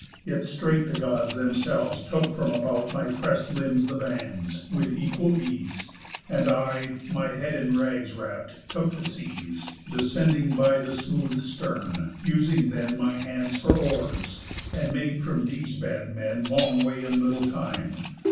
Yet straight the Gods themselves took from about My pressed limbs the bands, with equal ease, And I, my head in rags wrapp'd, took the seas, Descending by the smooth stern, using then My hands for oars, and made from these bad men Long way in little time.